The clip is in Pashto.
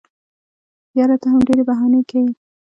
یاره ته هم ډېري بهانې کیې.